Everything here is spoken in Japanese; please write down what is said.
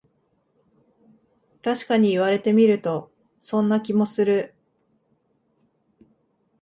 たしかに言われてみると、そんな気もする